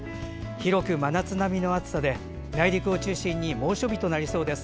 広く真夏並みの暑さで、内陸を中心に猛暑日となりそうです。